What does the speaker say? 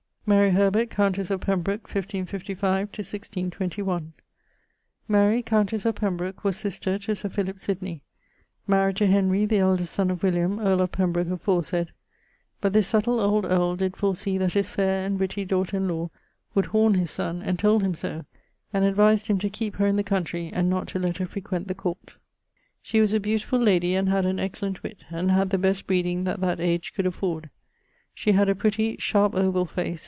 =Mary Herbert=, countess of Pembroke (1555 1621). Mary[EZ], countesse of Pembroke, was sister to Sir Philip Sydney; maried to Henry, the eldest son of William, earle of Pembroke aforesayd; but this subtile old earle did foresee that his faire and witty daughter in lawe would horne his sonne and told him so and advised him to keepe her in the countrey and not to let her frequent the court. She was a beautifull ladie and had an excellent witt, and had the best breeding that that age could afford. Shee had a pritty sharpe ovall face.